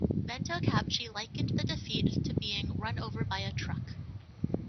Vento-Kabchi likened the defeat to being "run over by a truck".